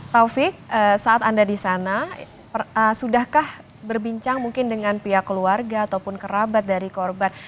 taufik saat anda di sana sudahkah berbincang mungkin dengan pihak keluarga ataupun kerabat dari korban